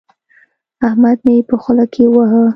احمد مې په خوله کې وواهه.